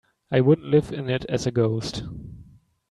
I wouldn't live in it as a ghost.